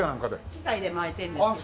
機械で巻いてるんですけど。